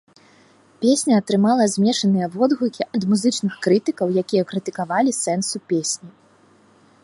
Песня атрымала змешаныя водгукі ад музычных крытыкаў, якія крытыкавалі сэнсу песні.